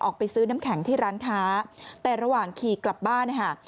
ออกไปซื้อน้ำแข็งที่ร้านค้าแต่ระหว่างขี่กลับบ้านนะคะ